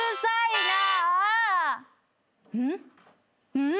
うん？